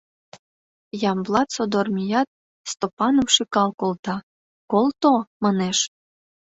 Ямблат содор мият, Стопаным шӱкал колта, «Колто!» манеш.